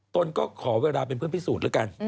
ตนก็ขอเวลาเป็นเพื่อนพิสูจน์แล้วกัน